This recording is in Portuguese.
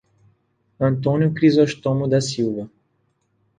Antônio Crizostomo da Silva